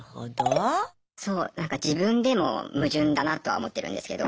そうなんか自分でも矛盾だなとは思ってるんですけど。